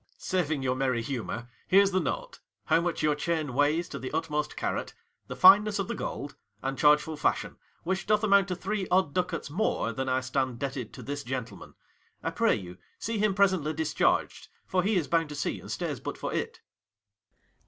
Ang. Saving your merry humour, here's the note How much your chain weighs to the utmost carat, The fineness of the gold, and chargeful fashion, Which doth amount to three odd ducats more 30 Than I stand debted to this gentleman: I pray you, see him presently discharged, For he is bound to sea, and stays but for it. _Ant.